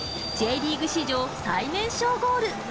Ｊリーグ史上最年少ゴール。